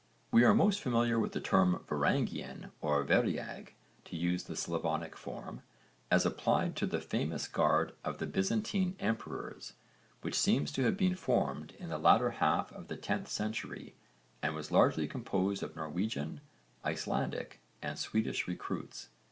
We are most familiar with the term 'Varangian' or 'Variag,' to use the Slavonic form, as applied to the famous guard of the Byzantine emperors, which seems to have been formed in the latter half of the 10th century and was largely composed of Norwegian, Icelandic and Swedish recruits.